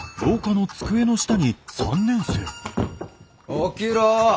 起きろ！